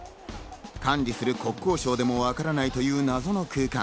管理する国交省でもわからないという謎の空間。